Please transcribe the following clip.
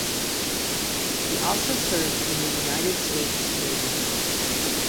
He also served in the United States Navy.